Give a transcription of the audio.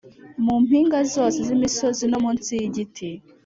mu mpinga zose z imisozi no munsi y igiti